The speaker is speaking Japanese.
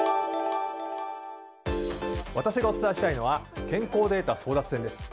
私がお伝えしたいのは健康データ争奪戦です。